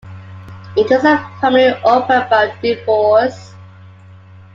It is a family opera about divorce.